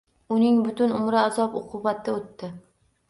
Uning butun umri azob-uqubatda o`tdi